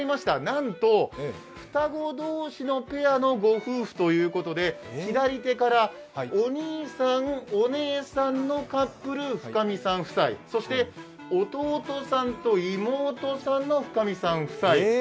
なんと双子同士のペアのご夫婦ということで左手からお兄さん、お姉さんのカップル深見さん夫妻、そして弟さんと妹さんの深見さん夫婦。